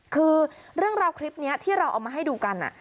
คือเรื่องราวคลิปนี้ที่เราเอามาให้ดูกัน